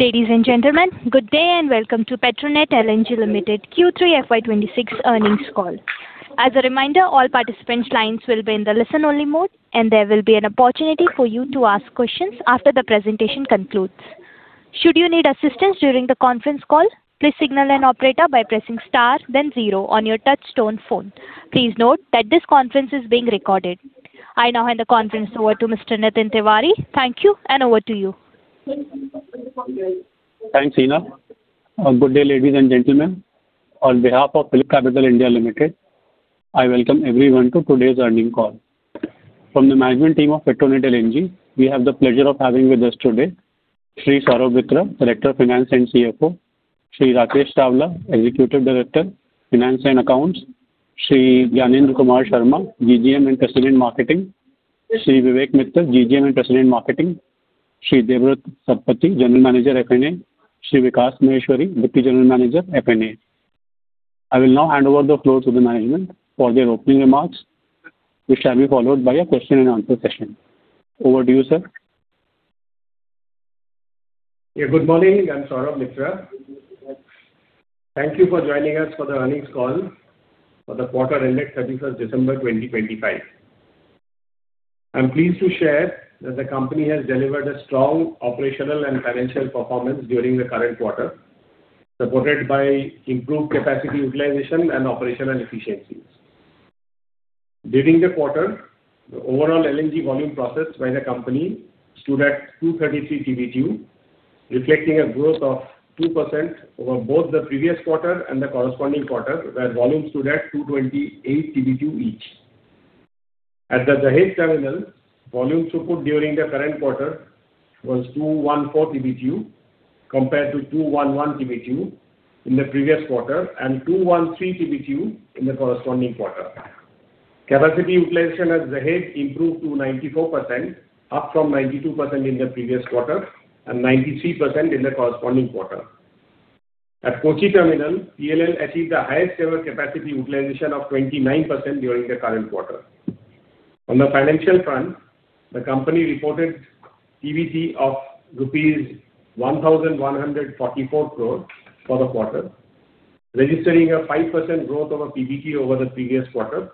Ladies and gentlemen, good day, and welcome to Petronet LNG Limited Q3 FY 2026 earnings call. As a reminder, all participants' lines will be in the listen-only mode, and there will be an opportunity for you to ask questions after the presentation concludes. Should you need assistance during the conference call, please signal an operator by pressing star, then zero on your touchtone phone. Please note that this conference is being recorded. I now hand the conference over to Mr. Nitin Tiwari. Thank you, and over to you. Thanks, Hina. Good day, ladies and gentlemen. On behalf of PhillipCapital (India) Private Limited, I welcome everyone to today's earnings call. From the management team of Petronet LNG, we have the pleasure of having with us today Shri Saurav Mitra, Director of Finance and CFO, Shri Rakesh Chawla, Executive Director, Finance and Accounts, Shri Gyanendra Kumar Sharma, GGM and President, Marketing, Shri Vivek Mittal, GGM and President, Marketing, Shri Debabrata Satpathy, General Manager, F&A, Shri Vikash Maheshwari, Deputy General Manager, F&A. I will now hand over the floor to the management for their opening remarks, which shall be followed by a question and answer session. Over to you, sir. Yeah, good morning, I'm Saurav Mitra. Thank you for joining us for the earnings call for the quarter ended 31st December 2025. I'm pleased to share that the company has delivered a strong operational and financial performance during the current quarter, supported by improved capacity utilization and operational efficiencies. During the quarter, the overall LNG volume processed by the company stood at 233 TBtu, reflecting a growth of 2% over both the previous quarter and the corresponding quarter, where volumes stood at 228 TBtu each. At the Dahej terminal, volume throughput during the current quarter was 214 TBtu, compared to 211 TBtu in the previous quarter and 213 TBtu in the corresponding quarter. Capacity utilization at Dahej improved to 94%, up from 92% in the previous quarter and 93% in the corresponding quarter. At Kochi Terminal, PLL achieved the highest ever capacity utilization of 29% during the current quarter. On the financial front, the company reported PBT of rupees 1,144 crores for the quarter, registering a 5% growth over PBT over the previous quarter,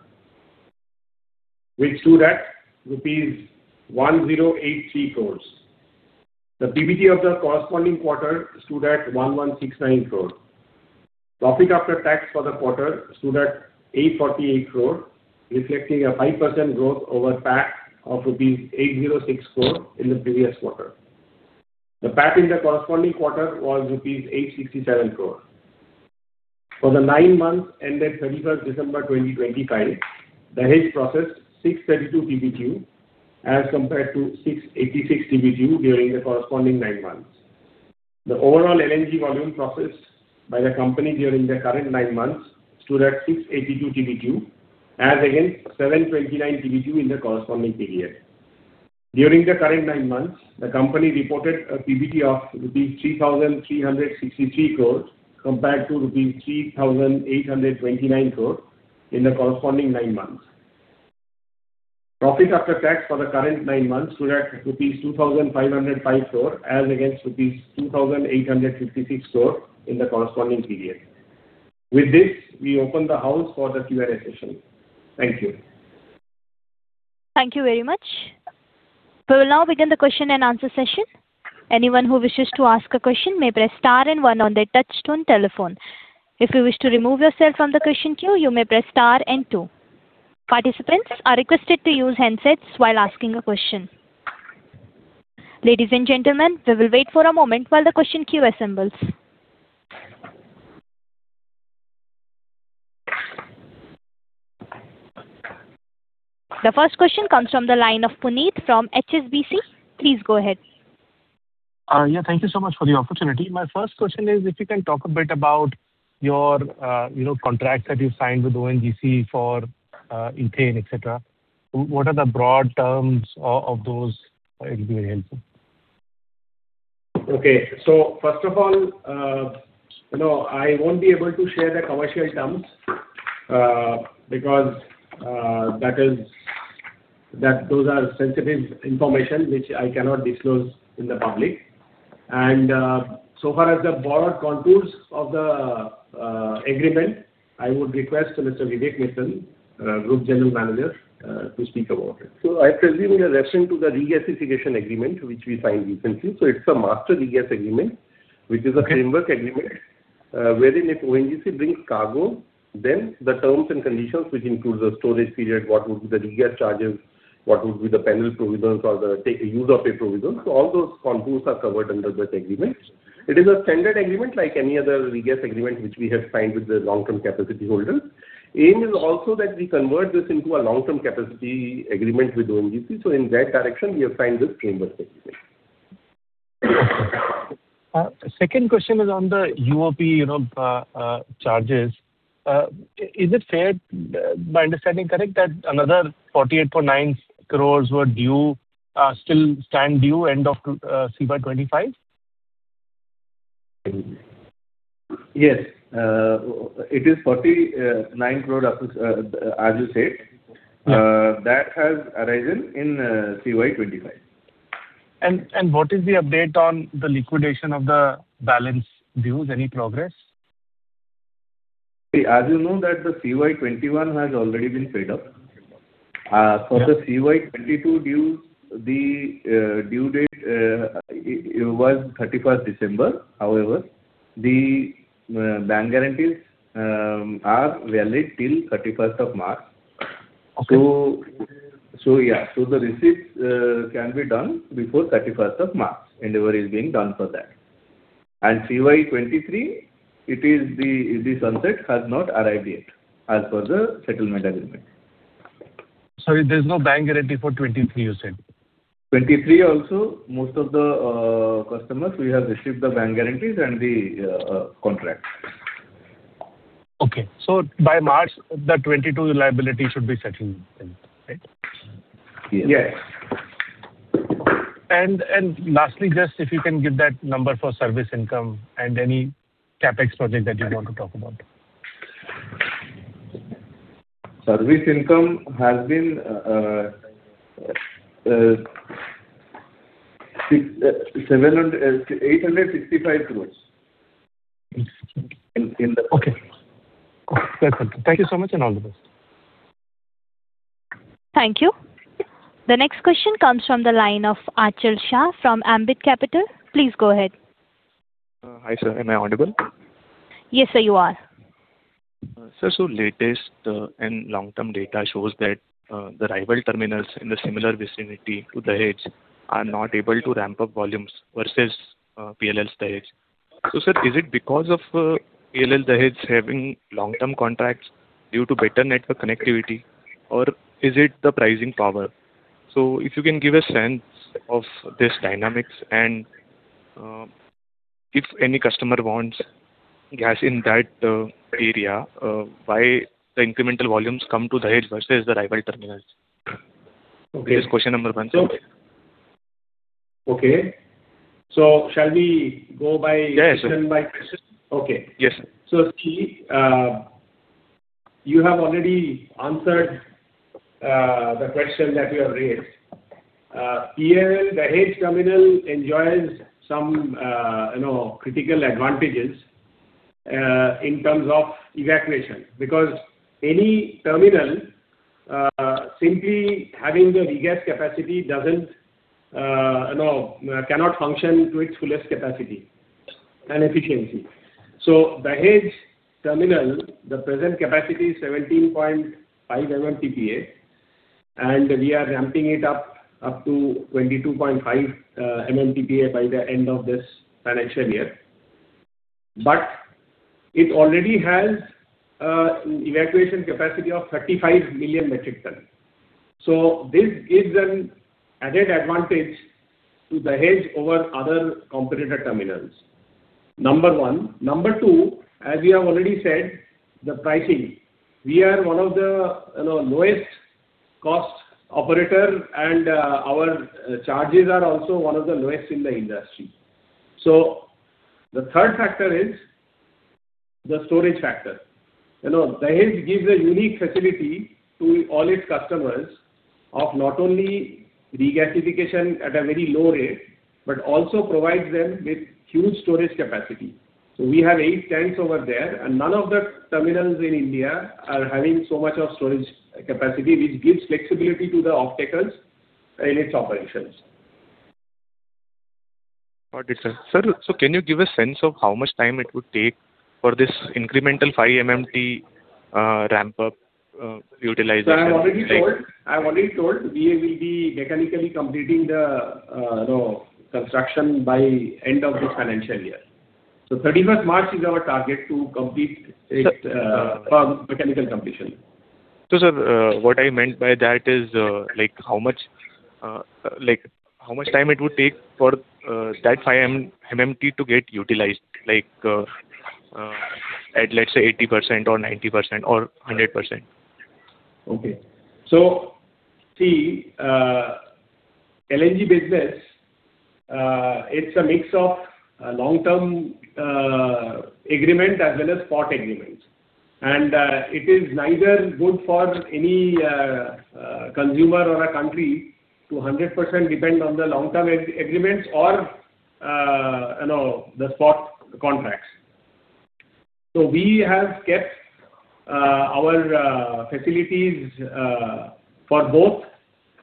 which stood at rupees 1,083 crores. The PBT of the corresponding quarter stood at 1,169 crores. Profit after tax for the quarter stood at 848 crores, reflecting a 5% growth over PAT of rupees 806 crores in the previous quarter. The PAT in the corresponding quarter was rupees 867 crores. For the nine months ended 31st December 2025, Dahej processed 632 TBtu as compared to 686 TBtu during the corresponding nine months. The overall LNG volume processed by the company during the current nine months stood at 682 TBtu, as against 729 TBtu in the corresponding period. During the current nine months, the company reported a PBT of 3,363 crore, compared to 3,829 crore in the corresponding nine months. Profit after tax for the current nine months stood at rupees 2,505 crore as against rupees 2,856 crore in the corresponding period. With this, we open the house for the Q&A session. Thank you. Thank you very much. We will now begin the question and answer session. Anyone who wishes to ask a question may press star and one on their touchtone telephone. If you wish to remove yourself from the question queue, you may press star and two. Participants are requested to use handsets while asking a question. Ladies and gentlemen, we will wait for a moment while the question queue assembles. The first question comes from the line of Puneet from HSBC. Please go ahead. Yeah, thank you so much for the opportunity. My first question is, if you can talk a bit about your, you know, contracts that you signed with ONGC for ethane, etc. What are the broad terms of those? It would be very helpful. Okay. So first of all, you know, I won't be able to share the commercial terms, because, that is, that those are sensitive information, which I cannot disclose in the public. And, so far as the broad contours of the agreement, I would request Mr. Vivek Mittal, Group General Manager, to speak about it. So I presume you are referring to the regasification agreement, which we signed recently. So it's a master regas agreement, which is a framework agreement, wherein if ONGC brings cargo, then the terms and conditions, which includes the storage period, what would be the regas charges, what would be the penalty provisions or the take, use of a provision. So all those contours are covered under that agreement. It is a standard agreement like any other regas agreement, which we have signed with the long-term capacity holders. Aim is also that we convert this into a long-term capacity agreement with ONGC. So in that direction, we have signed this framework agreement. Second question is on the UOP, you know, charges. Is it fair... My understanding correct, that another 48.9 crore were due, still stand due end of FY 2025? Yes, it is 49 crore, as you said. That has arisen in CY 2025. What is the update on the liquidation of the balance dues? Any progress? As you know that the CY 21 has already been paid up. Yeah. For the CY 2022 dues, the due date, it was 31 December. However, the bank guarantees are valid till 31st March. Okay. So yeah. The receipts can be done before thirty-first of March. Endeavor is being done for that. And CY 2023, the sunset has not arrived yet, as per the settlement agreement. Sorry, there's no bank guarantee for 2023, you said? 23 also, most of the customers, we have received the bank guarantees and the contract. Okay. By March, the 2022 liability should be settled then, right? Yes. Lastly, just if you can give that number for service income and any CapEx project that you want to talk about? Service income has been 865 crores. Okay. Perfect. Thank you so much, and all the best. Thank you. The next question comes from the line of Achal Shah from Ambit Capital. Please go ahead. Hi, sir. Am I audible? Yes, sir, you are. Sir, so latest and long-term data shows that the rival terminals in the similar vicinity to Dahej are not able to ramp up volumes versus PLL Dahej. So, sir, is it because of PLL Dahej having long-term contracts due to better network connectivity, or is it the pricing power? So if you can give a sense of this dynamics, and if any customer wants gas in that area, why the incremental volumes come to Dahej versus the rival terminals? Okay. This is question number one, sir. Okay. So shall we go by. Yeah, sure. Question by question? Okay. Yes. So, see, you have already answered the question that you have raised. PLL Dahej terminal enjoys some, you know, critical advantages in terms of evacuation. Because any terminal simply having the regas capacity doesn't, you know, cannot function to its fullest capacity and efficiency. So Dahej terminal, the present capacity is 17.5 MMTPA, and we are ramping it up, up to 22.5 MMTPA by the end of this financial year. But it already has evacuation capacity of 35 million metric ton. So this gives an added advantage to Dahej over other competitor terminals, number one. Number two, as we have already said, the pricing. We are one of the, you know, lowest cost operator, and our charges are also one of the lowest in the industry. So the third factor is the storage factor. You know, Dahej gives a unique facility to all its customers of not only regasification at a very low rate, but also provides them with huge storage capacity. So we have eight tanks over there, and none of the terminals in India are having so much of storage capacity, which gives flexibility to the off-takers in its operations. Got it, sir. Sir, so can you give a sense of how much time it would take for this incremental 5 MMT ramp up, utilization? I've already told, we will be mechanically completing the, you know, construction by end of this financial year. Thirty-first March is our target to complete it, mechanical completion. Sir, what I meant by that is, like, how much, like, how much time it would take for, that five MMT to get utilized? Like, at, let's say, 80% or 90% or 100%. Okay. So see, LNG business, it's a mix of long-term agreement as well as spot agreements. And it is neither good for any consumer or a country to 100% depend on the long-term agreements or, you know, the spot contracts. So we have kept our facilities for both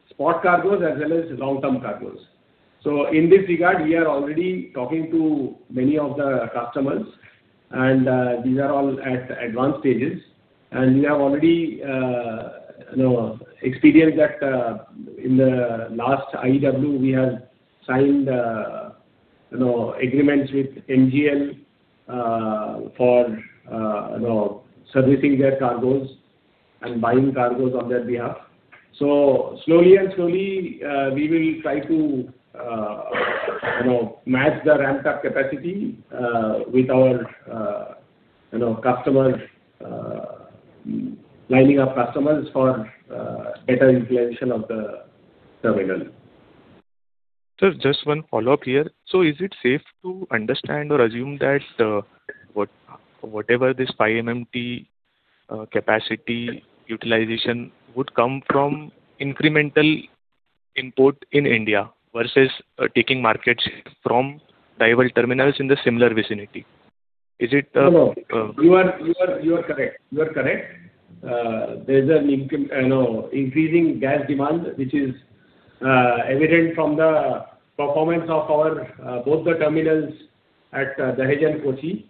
spot cargos as well as long-term cargos. So in this regard, we are already talking to many of the customers, and these are all at advanced stages. And we have already, you know, experienced that in the last IEW, we have signed, you know, agreements with NGL for, you know, servicing their cargos and buying cargos on their behalf. So slowly and slowly, we will try to, you know, match the ramp-up capacity, with our, you know, customers, Lining up customers for better utilization of the terminal. Sir, just one follow-up here. So is it safe to understand or assume that whatever this five MMT capacity utilization would come from incremental input in India versus taking markets from rival terminals in the similar vicinity? Is it No, no. You are correct. There is an increasing gas demand, which is evident from the performance of our both the terminals at Dahej and Kochi.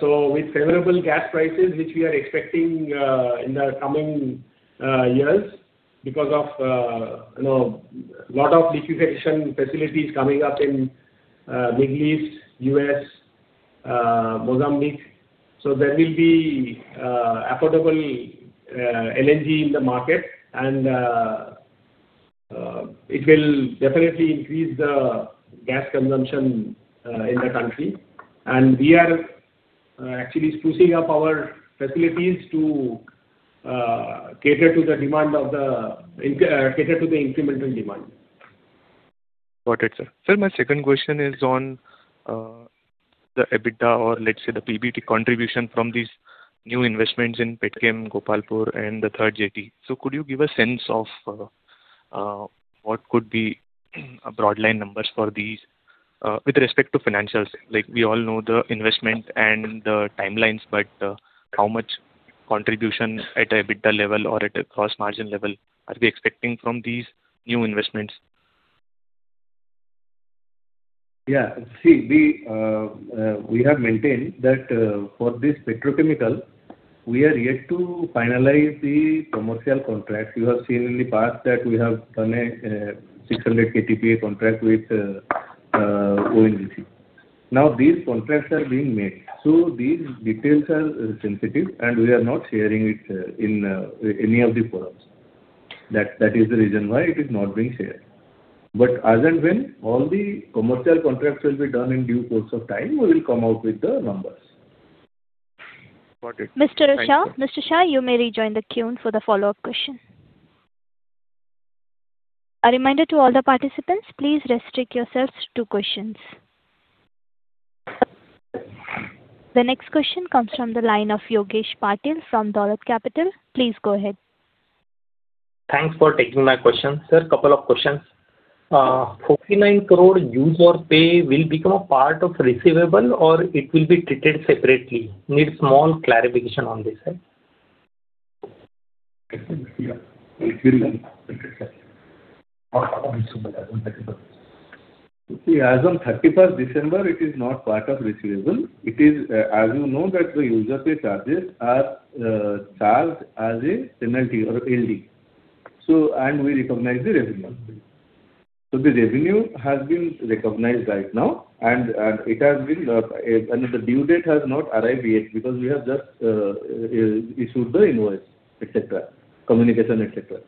So with favorable gas prices, which we are expecting in the coming years, because of you know, lot of liquefaction facilities coming up in Middle East, U.S., Mozambique. So there will be affordable LNG in the market, and it will definitely increase the gas consumption in the country. And we are actually sprucing up our facilities to cater to the incremental demand. Got it, sir. Sir, my second question is on the EBITDA, or let's say the PBT contribution from these new investments in Petchem, Gopalpur, and the third jetty. So could you give a sense of what could be a broad line numbers for these with respect to financials? Like, we all know the investment and the timelines, but how much contribution at EBITDA level or at a cross margin level are we expecting from these new investments? Yeah. See, we have maintained that for this petrochemical, we are yet to finalize the commercial contracts. You have seen in the past that we have done a 600 KTPA contract with ONGC. Now, these contracts are being made, so these details are sensitive, and we are not sharing it in any of the forums. That is the reason why it is not being shared. But as and when all the commercial contracts will be done in due course of time, we will come out with the numbers. Got it. Mr. Achal? Mr. Shah, you may rejoin the queue for the follow-up question. A reminder to all the participants, please restrict yourselves to two questions. The next question comes from the line of Yogesh Patil from Dolat Capital. Please go ahead. Thanks for taking my question. Sir, couple of questions. 49 crore use or pay will become a part of receivable or it will be treated separately? Need small clarification on this, sir. Yeah, it will then be decided. See, as on thirty-first December, it is not part of receivable. It is, as you know, that the user pay charges are, charged as a penalty or a LD. So and we recognize the revenue. So the revenue has been recognized right now, and, and it has been, and the due date has not arrived yet, because we have just, issued the invoice, et cetera, communication, et cetera.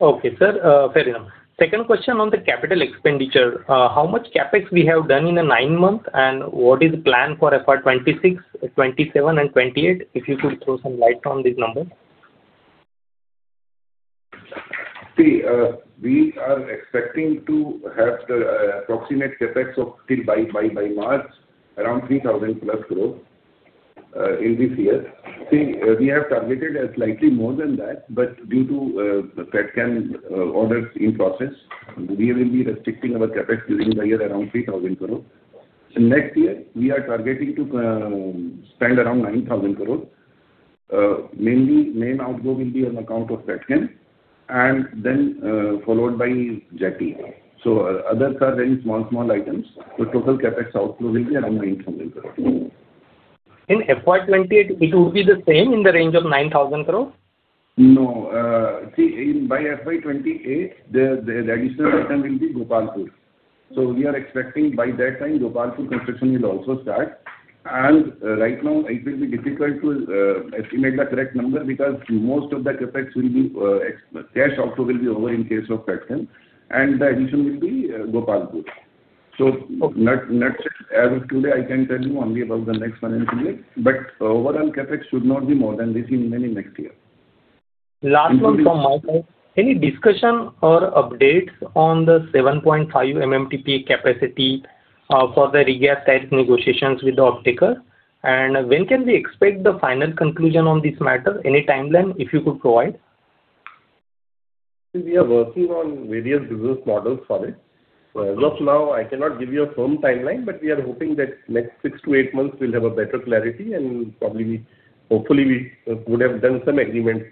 Okay, sir, fair enough. Second question on the capital expenditure. How much CapEx we have done in the 9 month, and what is the plan for FY 2026, 2027 and 2028? If you could throw some light on these numbers. See, we are expecting to have the approximate CapEx of till by March, around 3,000+ crore in this year. See, we have targeted as slightly more than that, but due to the Petchem orders in process, we will be restricting our CapEx during the year around 3,000 crore. So next year, we are targeting to spend around 9,000 crore. Mainly, main outflow will be on account of Petchem and then followed by JT. So, others are very small, small items. The total CapEx outflow will be around 9,000 crore. In FY 2028, it will be the same in the range of 9,000 crore? No. See, in by FY 2028, the, the additional item will be Gopalpur. So we are expecting by that time, Gopalpur construction will also start. And, right now, it will be difficult to estimate the correct number, because most of the CapEx will be ex-cash outflow will be over in case of Petchem, and the addition will be Gopalpur. Okay. So net, net as of today, I can tell you only about the next financial year. But overall CapEx should not be more than this in any next year. Last one from my side. Any discussion or updates on the 7.5 MMTPA capacity for the regas type negotiations with the offtaker? And when can we expect the final conclusion on this matter? Any timeline, if you could provide. We are working on various business models for it. As of now, I cannot give you a firm timeline, but we are hoping that next six to eight months we'll have a better clarity, and probably, hopefully we would have done some agreements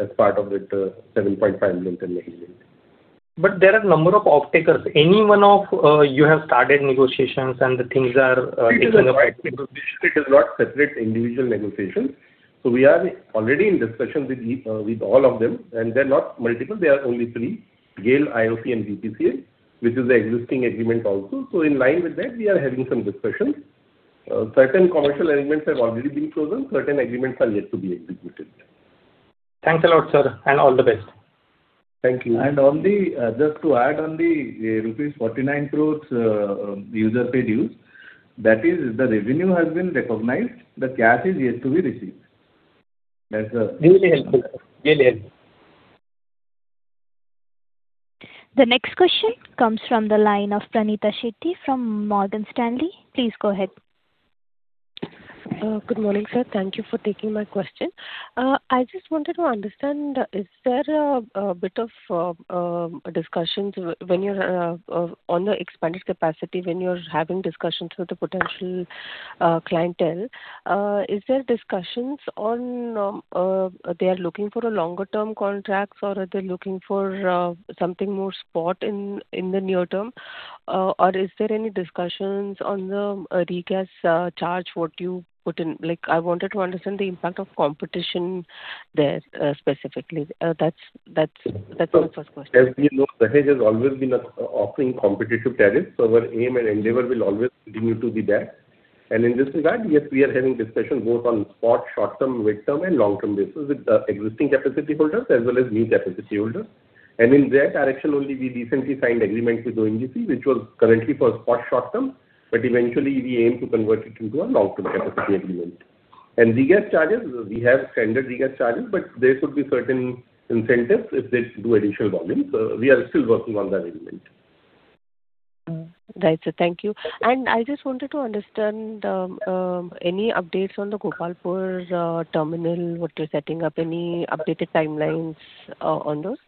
as part of that 7.5 million ton agreement. But there are number of offtakers. Any one of, you have started negotiations and the things are, taking up? It is a wide negotiation, it is not separate individual negotiations. So we are already in discussions with the, with all of them, and they're not multiple, they are only three: GAIL, IOC and BPCL, which is the existing agreement also. So in line with that, we are having some discussions. Certain commercial arrangements have already been chosen, certain agreements are yet to be executed. Thanks a lot, sir, and all the best. Thank you. On the, just to add on the rupees 49 crore use-or-pay dues, that is, the revenue has been recognized, the cash is yet to be received. That's the- Really helpful, sir. Really helpful. The next question comes from the line of Pranita Shetty from Morgan Stanley. Please go ahead. Good morning, sir. Thank you for taking my question. I just wanted to understand, is there a bit of discussions when you're on the expanded capacity, when you're having discussions with the potential clientele, is there discussions on they are looking for a longer-term contracts, or are they looking for something more spot in the near term? Or is there any discussions on the regas charge, what you put in? Like, I wanted to understand the impact of competition there, specifically. That's my first question. As we know, GAIL has always been offering competitive tariffs, so our aim and endeavor will always continue to be that. And in this regard, yes, we are having discussions both on spot, short-term, mid-term, and long-term basis with existing capacity holders as well as new capacity holders. And in that direction only, we recently signed agreement with ONGC, which was currently for spot short-term, but eventually we aim to convert it into a long-term capacity agreement. And regas charges, we have standard regas charges, but there should be certain incentives if they do additional volume. So we are still working on that arrangement. Right, sir. Thank you. I just wanted to understand any updates on the Gopalpur terminal, what you're setting up, any updated timelines on those?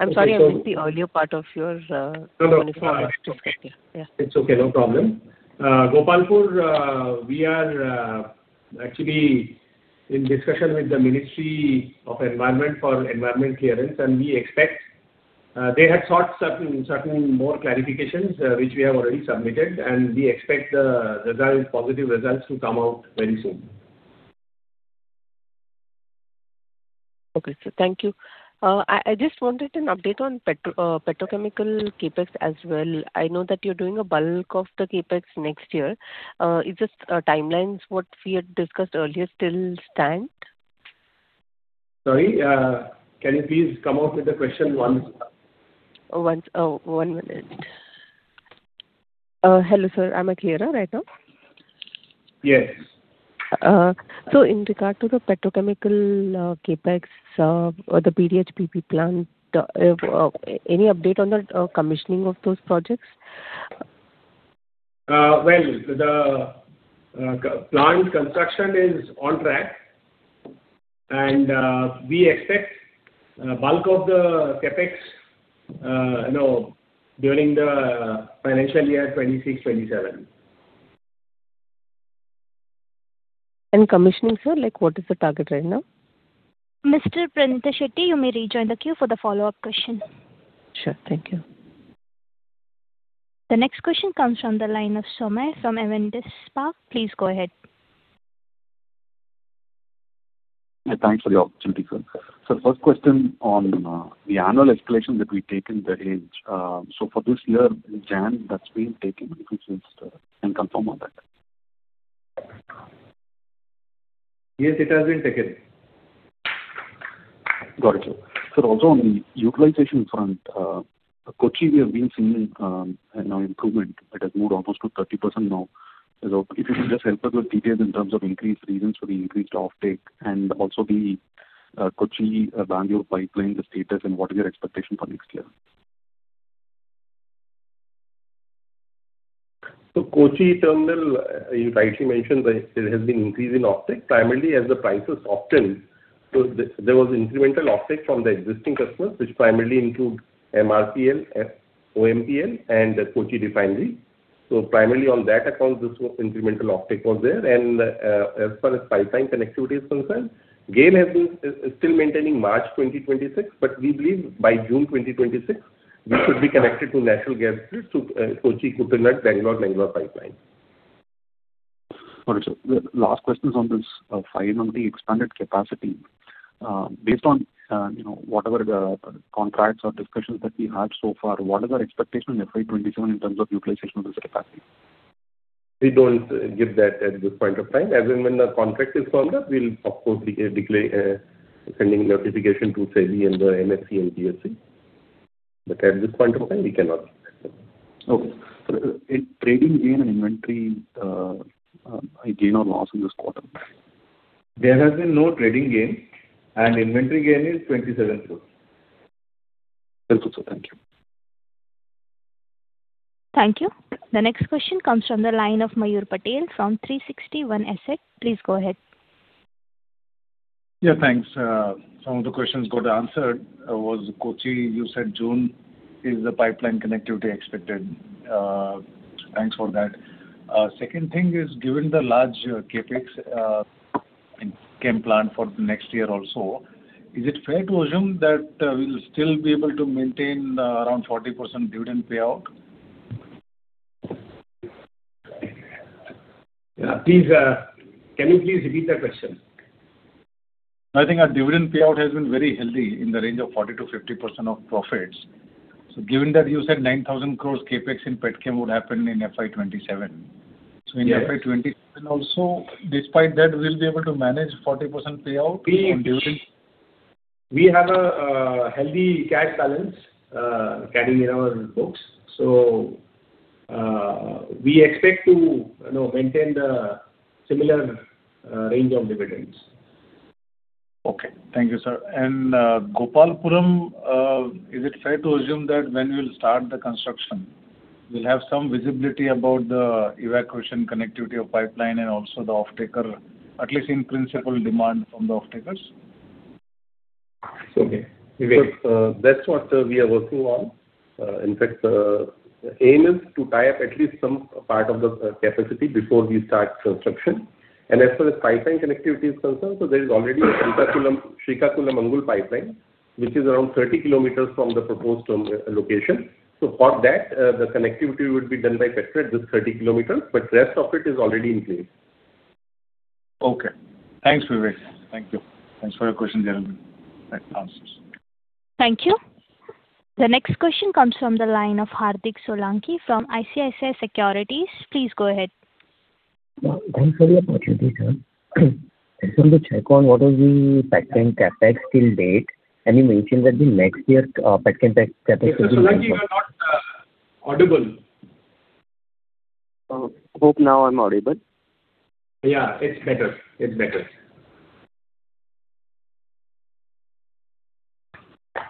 I'm sorry, I missed the earlier part of your initial- No, no. Okay. Yeah. It's okay, no problem. Gopalpur, we are actually in discussion with the Ministry of Environment for environment clearance, and we expect... They had sought certain, certain more clarifications, which we have already submitted, and we expect the results, positive results to come out very soon. Okay, sir. Thank you. I just wanted an update on petrochemical CapEx as well. I know that you're doing a bulk of the CapEx next year. Is this timelines what we had discussed earlier still stand? Sorry, can you please come out with the question once? Once. Oh, one minute. Hello, sir. Am I clearer right now? Yes. So in regard to the petrochemical, CapEx, or the PDHPP plant, any update on the commissioning of those projects? Well, the plant construction is on track, and we expect bulk of the CapEx, you know, during the financial year 2026, 2027. Commissioning, sir, like, what is the target right now? Mr. Pranita Shetty, you may rejoin the queue for the follow-up question. Sure. Thank you. The next question comes from the line of Somaiah from Avendus Spark. Please go ahead. Thanks for the opportunity, sir. So first question on the annual escalation that we've taken, the range. So for this year, January, that's been taken, can you please confirm on that? Yes, it has been taken. Got it, sir. Sir, also on the utilization front, Kochi, we have been seeing, you know, improvement. It has moved almost to 30% now. So if you can just help us with details in terms of increased reasons for the increased offtake, and also the, Kochi-Bangalore pipeline, the status, and what is your expectation for next year? So Kochi terminal, you rightly mentioned that there has been increase in offtake, primarily as the price has softened. So there, there was incremental offtake from the existing customers, which primarily include MRPL, OMPL, and Kochi Refinery. So primarily on that account, this was incremental offtake was there. And, as far as pipeline connectivity is concerned, GAIL has been, still maintaining March 2026, but we believe by June 2026, we should be connected to national gas grid to, Kochi, Koottanad, Bangalore, Mangalore pipeline. Got it, sir. The last question is on this, finally on the expanded capacity. Based on, you know, whatever the contracts or discussions that we had so far, what is our expectation in FY 2027 in terms of utilization of this capacity? We don't give that at this point of time. As and when the contract is signed up, we'll of course, declare sending notification to SEBI and the NSE and BSE. But at this point of time, we cannot give that. Okay. Sir, in trading gain and inventory, gain or loss in this quarter? There has been no trading gain, and inventory gain is 27 crore. Thank you, sir. Thank you. Thank you. The next question comes from the line of Mayur Patel from 360 ONE Asset. Please go ahead. Yeah, thanks. Some of the questions got answered. Was Kochi, you said June is the pipeline connectivity expected? Thanks for that. Second thing is, given the large CapEx in chem plant for the next year also, is it fair to assume that we'll still be able to maintain around 40% dividend payout? Yeah, please, can you please repeat the question? I think our dividend payout has been very healthy in the range of 40%-50% of profits. So given that you said 9,000 crore CapEx in petchem would happen in FY 2027. So in FY 2020, and also despite that, we'll be able to manage 40% payout on during? We have a healthy cash balance carrying in our books. So, we expect to, you know, maintain the similar range of dividends. Okay. Thank you, sir. And, Gopalpur, is it fair to assume that when we'll start the construction, we'll have some visibility about the evacuation connectivity of pipeline and also the offtaker, at least in principle, demand from the offtakers? Okay. That's what we are working on. In fact, the aim is to tie up at least some part of the capacity before we start construction. As far as pipeline connectivity is concerned, there is already a Srikakulam-Mangalore pipeline, which is around 30 km from the proposed term location. For that, the connectivity would be done by Petronet, just 30 km, but rest of it is already in place. Okay. Thanks, Vivek. Thank you. Thanks for your question, gentlemen. That answers. Thank you. The next question comes from the line of Hardik Solanki from ICICI Securities. Please go ahead. Thanks for the opportunity, sir. Just want to check on what is the Petchem CapEx till date? And you mentioned that the next year, Petchem CapEx. Solanki, you are not audible. Hope now I'm audible. Yeah, it's better. It's better.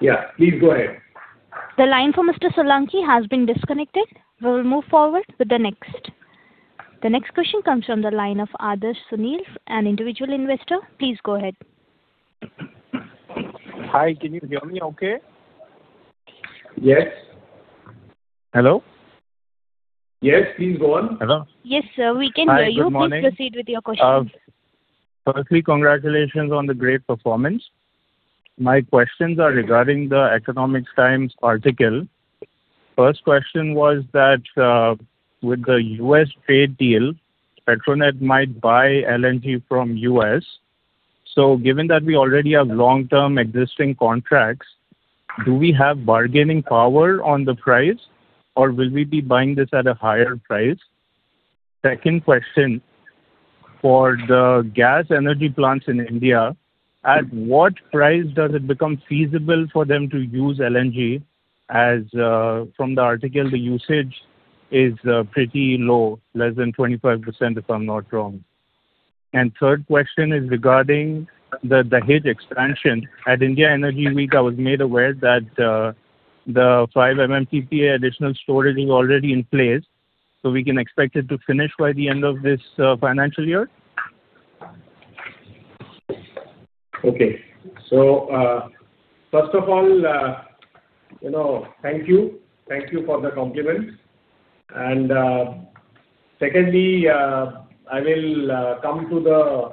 Yeah, please go ahead. The line for Mr. Solanki has been disconnected. We will move forward with the next. The next question comes from the line of Adarsh Sunil, an individual investor. Please go ahead. Hi, can you hear me okay? Yes. Hello? Yes, please go on. Hello? Yes, sir, we can hear you. Hi, good morning. Please proceed with your question. Firstly, congratulations on the great performance. My questions are regarding the Economic Times article. First question was that, with the U.S. trade deal, Petronet might buy LNG from U.S. So given that we already have long-term existing contracts, do we have bargaining power on the price, or will we be buying this at a higher price? Second question, for the gas energy plants in India, at what price does it become feasible for them to use LNG? As, from the article, the usage is pretty low, less than 25%, if I'm not wrong. Third question is regarding the Dahej expansion. At India Energy Week, I was made aware that the five MMTPA additional storage is already in place, so we can expect it to finish by the end of this financial year? Okay. So, first of all, you know, thank you. Thank you for the compliment. And, secondly, I will come to the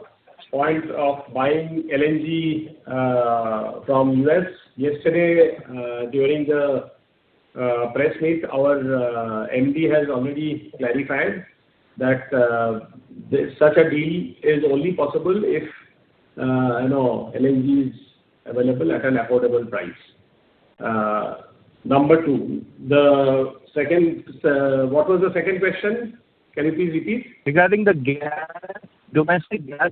point of buying LNG from U.S. Yesterday, during the press meet, our MD has already clarified that such a deal is only possible if, you know, LNG is available at an affordable price. Number two, the second... What was the second question? Can you please repeat? Regarding the gas, domestic gas,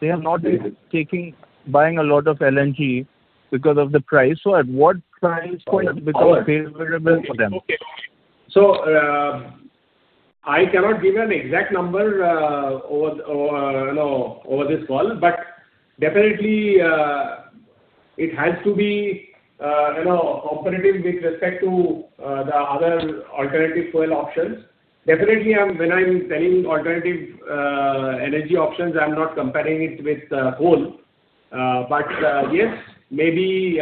they are not taking, buying a lot of LNG because of the price. So at what price point it becomes favorable for them? Okay. So, I cannot give you an exact number, over, over, you know, over this call, but definitely, it has to be, you know, competitive with respect to, the other alternative fuel options. Definitely, I'm—when I'm telling alternative, energy options, I'm not comparing it with, coal. But, yes, maybe,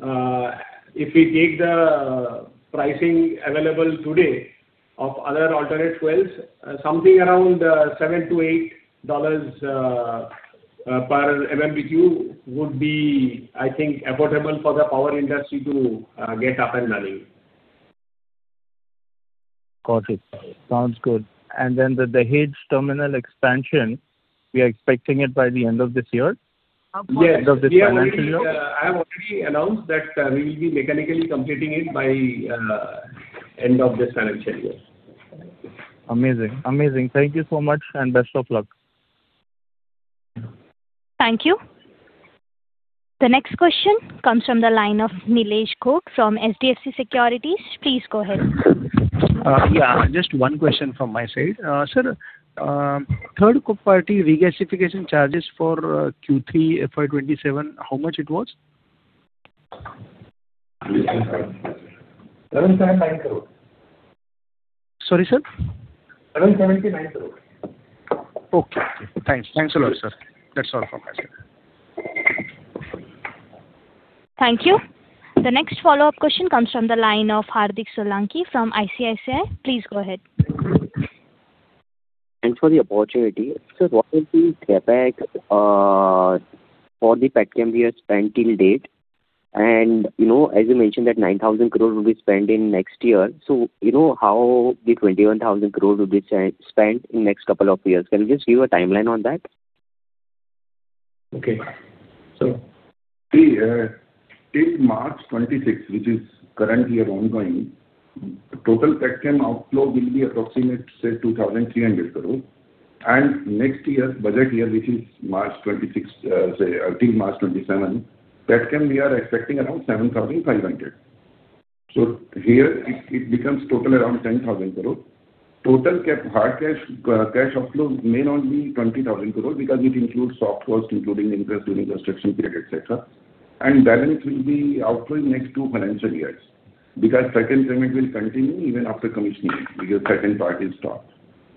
if we take the, pricing available today of other alternate fuels, something around, $7-$8 per MMBTU would be, I think, affordable for the power industry to, get up and running. Got it. Sounds good. And then the Dahej terminal expansion, we are expecting it by the end of this year? Yes. End of this financial year? I have already announced that we will be mechanically completing it by end of this financial year. Amazing. Amazing. Thank you so much, and best of luck. Thank you. The next question comes from the line of Nilesh Kok from HDFC Securities. Please go ahead. Yeah, just one question from my side. Sir, third-party regasification charges for Q3 FY27, how much it was? 779 crore. Sorry, sir? 779 crore. Okay. Thanks. Thanks a lot, sir. That's all from my side. Thank you. The next follow-up question comes from the line of Hardik Solanki from ICICI. Please go ahead. Thanks for the opportunity. Sir, what is the CapEx for the Petchem we have spent till date? And you know, as you mentioned, that 9,000 crore will be spent in next year. So you know, how the 21,000 crore will be spent, spent in next couple of years? Can you just give a timeline on that?... Okay. So. See, till March 26th, which is currently ongoing, total Petchem outflow will be approximate, say, 2,300 crore. Next year, budget year, which is March 26th, say, I think March 27th, Petchem we are expecting around 7,500 crore. So here it becomes total around 10,000 crore. Total hard cash outflow may not be 20,000 crore because it includes soft costs, including interest during construction period, et cetera. Balance will be outflowing next two financial years, because second payment will continue even after commissioning, because second part is stopped.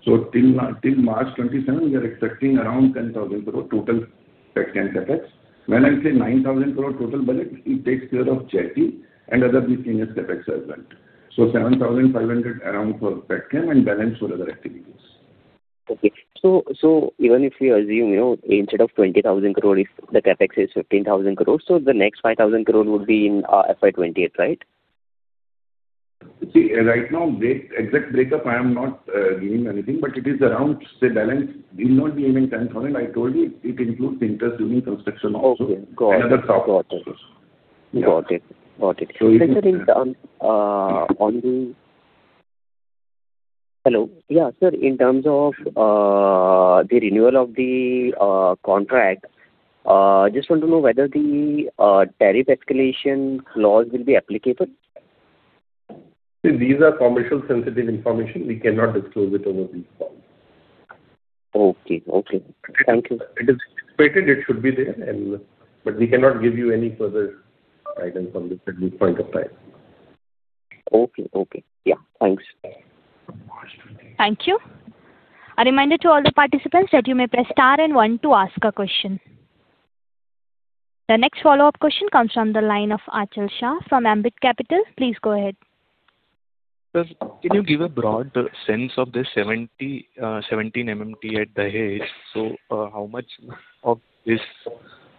So till March 27th, we are expecting around 10,000 crore total Petchem CapEx. When I say 9,000 crore total budget, it takes care of JT and other miscellaneous CapEx as well. So 7,500 crore around for Petchem and balance for other activities. Okay. So, so even if we assume, you know, instead of 20,000 crore, if the CapEx is 15,000 crore, so the next 5,000 crore would be in FY 2028, right? See, right now, the exact breakup, I am not giving anything, but it is around, say, balance will not be even INR 10,000. I told you, it includes interest during construction also- Okay. Got it. Other soft costs. Got it. Got it. It is. Hello? Yeah, sir, in terms of the renewal of the contract, just want to know whether the tariff escalation clause will be applicable? These are commercially sensitive information. We cannot disclose it over this call. Okay. Okay. Thank you. It is expected it should be there, and... but we cannot give you any further items on this at this point of time. Okay, okay. Yeah, thanks. Thank you. A reminder to all the participants that you may press star and one to ask a question. The next follow-up question comes from the line of Achal Shah from Ambit Capital. Please go ahead. Sir, can you give a broad sense of the 17 MMT at Dahej? So, how much of this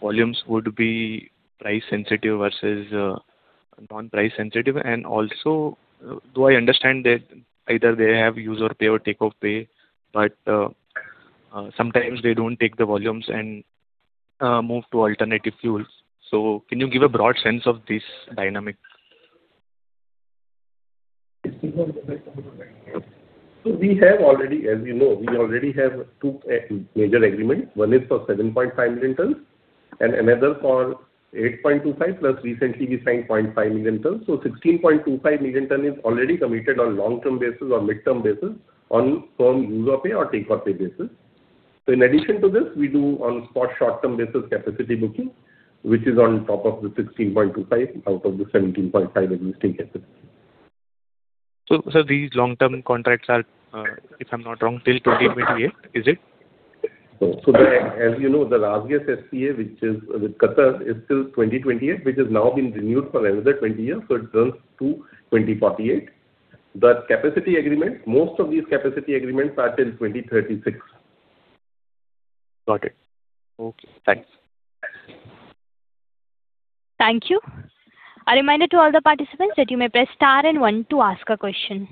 volumes would be price sensitive versus non-price sensitive? And also, though I understand that either they have use or pay or take or pay, but sometimes they don't take the volumes and move to alternative fuels. So can you give a broad sense of this dynamic? So we have already, as you know, we already have two major agreements. One is for 7.5 million tons and another for 8.25, plus recently we signed 0.5 million tons. So 16.25 million tons is already committed on long-term basis or mid-term basis on firm use or pay or take or pay basis. So in addition to this, we do on spot short-term basis capacity booking, which is on top of the 16.25 out of the 17.5 existing capacity. So, sir, these long-term contracts are, if I'm not wrong, till 2028, is it? As you know, the RasGas SPA, which is with Qatar, is till 2028, which has now been renewed for another 20 years, so it runs to 2048. The capacity agreement, most of these capacity agreements are till 2036. Got it. Okay, thanks. Thank you. A reminder to all the participants that you may press star and one to ask a question.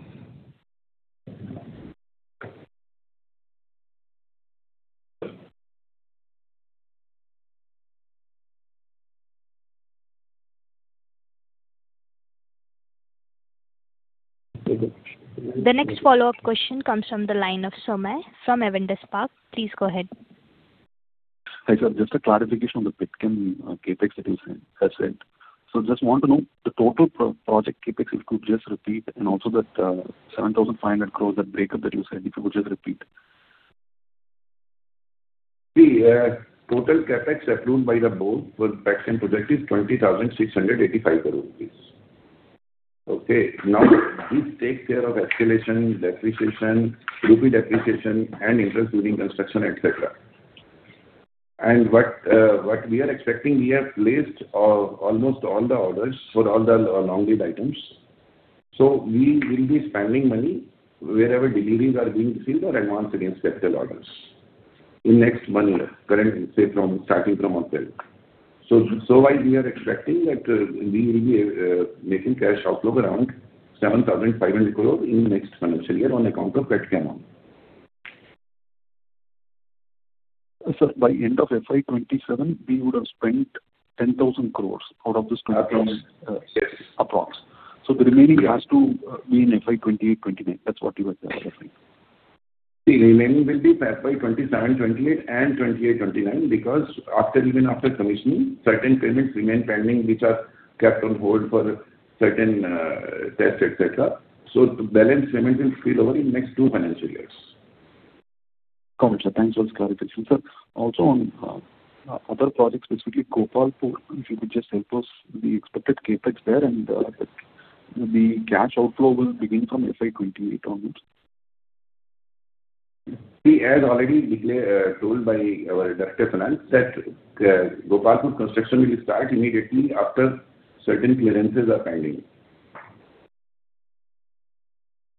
The next follow-up question comes from the line of Somay from Avendus Spark. Please go ahead. Hi, sir. Just a clarification on the Petchem CapEx that you said. So just want to know the total project CapEx, if you could just repeat, and also that 7,500 crore, that breakup that you said, if you could just repeat. The total CapEx approved by the board for the Petchem project is 20,685. Okay. Now, this takes care of escalation, depreciation, rupee depreciation, and interest during construction, et cetera. What we are expecting, we have placed almost all the orders for all the long lead items. So we will be spending money wherever deliveries are being received or advanced against actual orders in next one year, current, say, from starting from ourselves. So while we are expecting that, we will be making cash outflow around 7,500 crore in the next financial year on account of Petchem only. Sir, by end of FY 2027, we would have spent 10,000 crore out of this 20,000 crore- Yes. So the remaining has to be in FY 2028, 2029. That's what you are saying, right? The remaining will be FY 2027, 2028 and 2028, 2029, because after, even after commissioning, certain payments remain pending, which are kept on hold for certain tests, et cetera. So the balance payment will spill over in next two financial years. Got it, sir. Thanks for the clarification, sir. Also, on other projects, specifically Gopalpur, if you could just help us, the expected CapEx there and the cash outflow will begin from FY 2028 onwards. See, as already declared, told by our director of finance, that Gopalpur construction will start immediately after certain clearances are pending.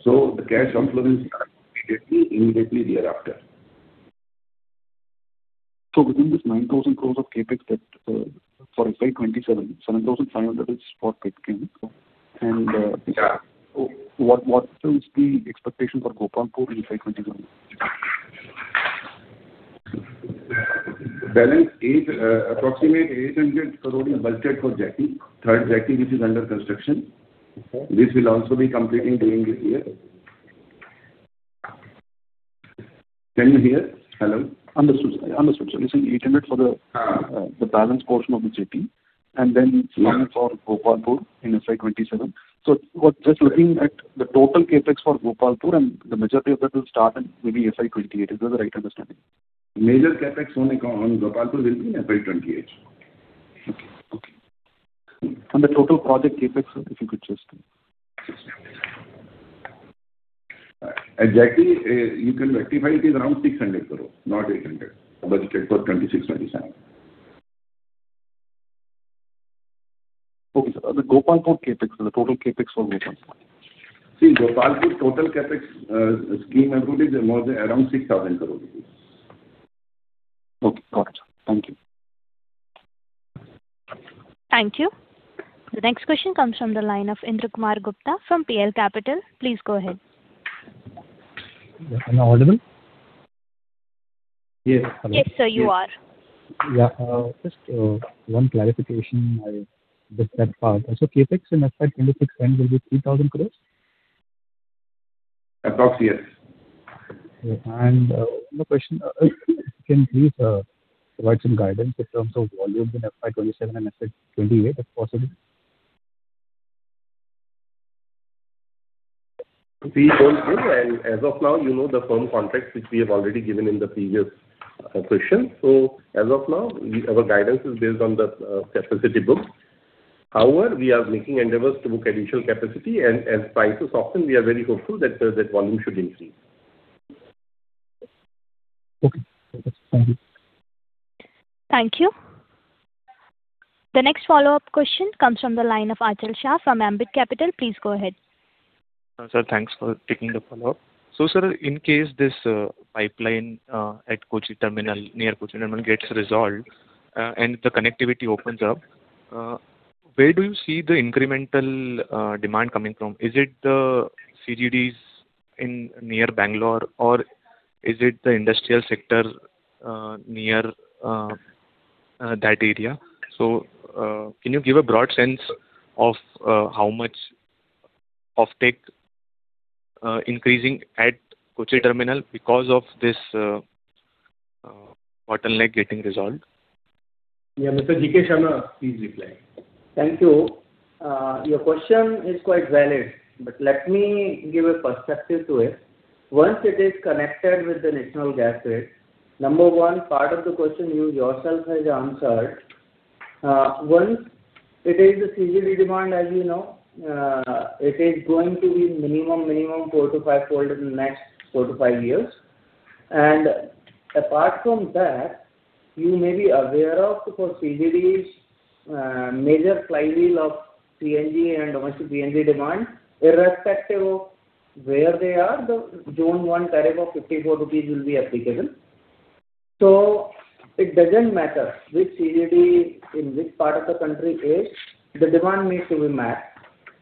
So the cash outflow will start immediately, immediately thereafter. So within this 9,000 crore of CapEx that for FY 2027-75 that is for Petchem? And what is the expectation for Gopalpur in FY 2021? Balance is approximately INR 800 crore budgeted for jetty, third jetty, which is under construction. Okay. This will also be completing during this year. Can you hear? Hello. Understood. Understood, sir. You said 800 for the- Uh. the balance portion of the jetty, and then. Yes. For Gopalpur in FY 2027. So just looking at the total CapEx for Gopalpur, and the majority of that will start in maybe FY 2028. Is that the right understanding? Major CapEx on Gopalpur will be in FY 2028. Okay. Okay. And the total project CapEx, sir, if you could just...? Jetty, you can rectify. It is around 600 crore, not 800 crore, budgeted for 2026-2027. Okay, sir. The Gopalpur CapEx, the total CapEx for Gopalpur. See, Gopalpur total CapEx, as scheme approved is more than around INR 6,000 crore. Okay, got it. Thank you. Thank you. The next question comes from the line of Indra Kumar Gupta from PL Capital. Please go ahead. Am I audible? Yes. Yes, sir, you are. Yeah, just one clarification. I missed that part. So CapEx in FY 2026 end will be 3,000 crore? Approx, yes. One more question. Can you please provide some guidance in terms of volumes in FY 2027 and FY 2028, if possible? We don't know, as of now, you know the firm contracts, which we have already given in the previous question. So as of now, our guidance is based on the capacity booked. However, we are making endeavors to book additional capacity and prices often, we are very hopeful that that volume should increase. Okay. Thank you. Thank you. The next follow-up question comes from the line of Achal Shah from Ambit Capital. Please go ahead. Sir, thanks for taking the follow-up. So, sir, in case this pipeline at Kochi terminal, near Kochi terminal, gets resolved, and the connectivity opens up, where do you see the incremental demand coming from? Is it the CGDs in near Bangalore, or is it the industrial sector near that area? So, can you give a broad sense of how much offtake increasing at Kochi terminal because of this bottleneck getting resolved? Yeah, Mr. G.K. Sharma, please reply. Thank you. Your question is quite valid, but let me give a perspective to it. Once it is connected with the national gas grid, number one, part of the question you yourself has answered. Once it is the CGD demand, as you know, it is going to be minimum, minimum four to five-fold in the next four to five years. And apart from that, you may be aware of, for CGDs, major flywheel of CNG and domestic PNG demand, irrespective of where they are, the Zone 1 tariff of 54 rupees will be applicable. So it doesn't matter which CGD, in which part of the country is, the demand needs to be met.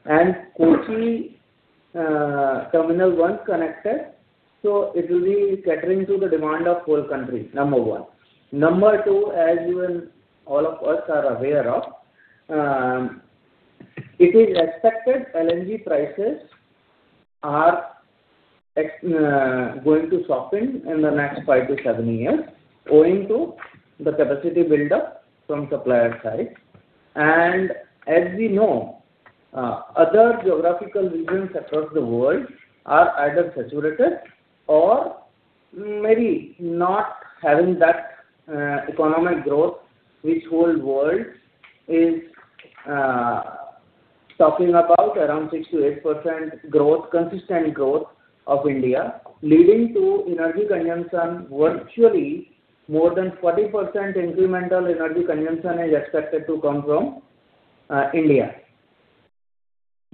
And Kochi terminal, once connected, so it will be catering to the demand of whole country, number one. Number two, as you and all of us are aware of, it is expected LNG prices are going to soften in the next five to seven years, owing to the capacity build-up from supplier side. And as we know, other geographical regions across the world are either saturated or maybe not having that, economic growth, which whole world is, talking about, around 6%-8% growth, consistent growth of India, leading to energy consumption. Virtually, more than 40% incremental energy consumption is expected to come from, India.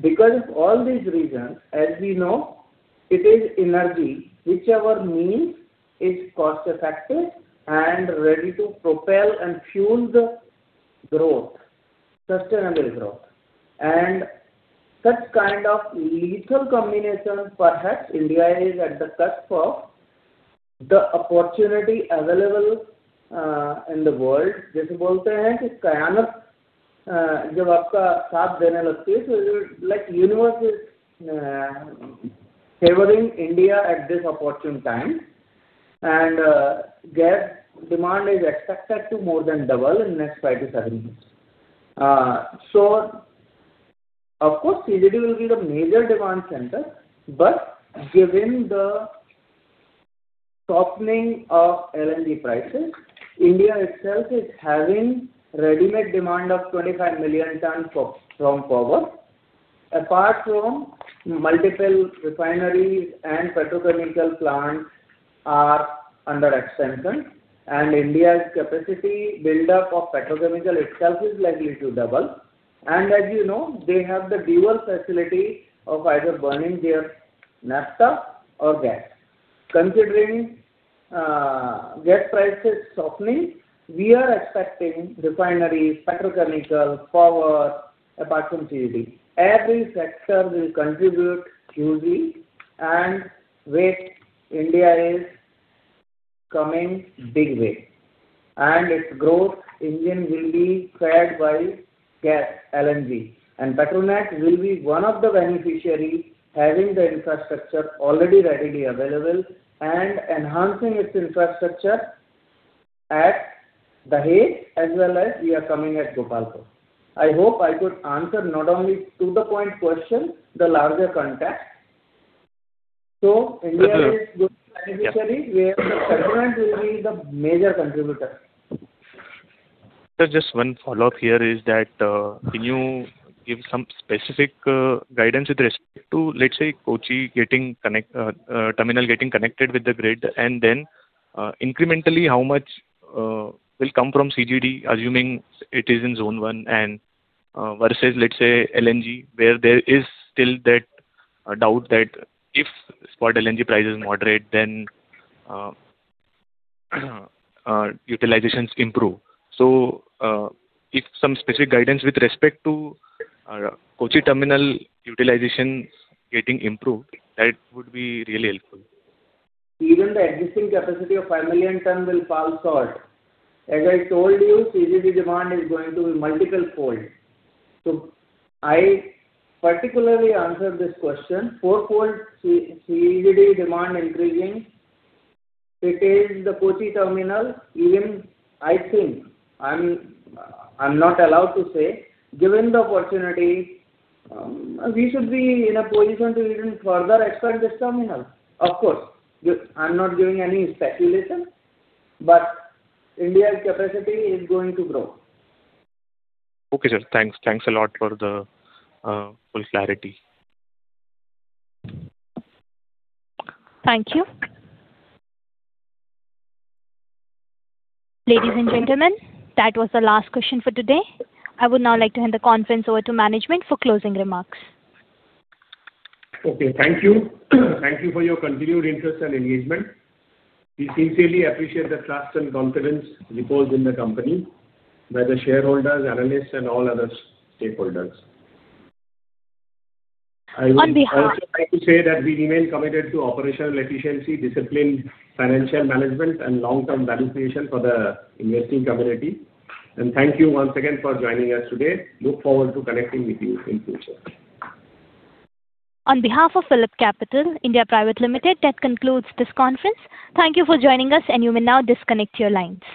Because of all these reasons, as we know, it is energy, whichever means is cost effective and ready to propel and fuel the growth, sustainable growth. And such kind of lethal combination, perhaps India is at the cusp of the opportunity available, in the world. Jaisa bolte hain ki kainaat, jab aapka saath dene lagti hai, so like universe is favoring India at this opportune time. And, gas demand is expected to more than double in the next five to seven years. So of course, CGD will be the major demand center, but given the softening of LNG prices, India itself is having readymade demand of 25 million tons of strong power. Apart from multiple refineries and petrochemical plants are under expansion, and India's capacity build-up of petrochemical itself is likely to double. And as you know, they have the dual facility of either burning their naphtha or gas... considering jet prices softening, we are expecting refineries, petrochemical, power, apart from CGD. Every sector will contribute hugely, and with India is coming big way, and its growth engine will be fed by gas, LNG. Petronet will be one of the beneficiaries, having the infrastructure already readily available and enhancing its infrastructure at Dahej, as well as we are coming at Gopalpur. I hope I could answer not only to the point question, the larger context. India is going to beneficiary, where the government will be the major contributor. Sir, just one follow-up here is that, can you give some specific guidance with respect to, let's say, Kochi terminal getting connected with the grid, and then, incrementally, how much will come from CGD, assuming it is in zone one, and versus, let's say, LNG, where there is still that doubt that if spot LNG price is moderate, then utilizations improve. So, if some specific guidance with respect to Kochi terminal utilization getting improved, that would be really helpful. Even the existing capacity of five million tons will fall short. As I told you, CGD demand is going to be multiple fold. So I particularly answer this question: fourfold C-CGD demand increasing. It is the Kochi terminal, even I think, I'm not allowed to say, given the opportunity, we should be in a position to even further expand this terminal. Of course, I'm not giving any speculation, but India's capacity is going to grow. Okay, sir. Thanks. Thanks a lot for the full clarity. Thank you. Ladies and gentlemen, that was the last question for today. I would now like to hand the conference over to management for closing remarks. Okay, thank you. Thank you for your continued interest and engagement. We sincerely appreciate the trust and confidence reposed in the company by the shareholders, analysts, and all other stakeholders. On behalf- I would also like to say that we remain committed to operational efficiency, disciplined financial management, and long-term value creation for the investing community. Thank you once again for joining us today. Look forward to connecting with you in future. On behalf of PhillipCapital (India) Private Limited, that concludes this conference. Thank you for joining us, and you may now disconnect your lines.